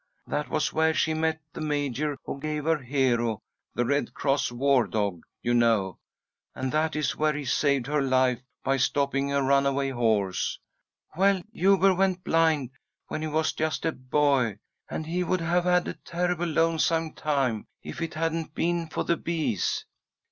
That was where she met the major who gave her Hero, her Red Cross war dog, you know, and that is where he saved her life, by stopping a runaway horse. "Well, Huber went blind when he was just a boy, and he would have had a terribly lonesome time if it hadn't been for the bees.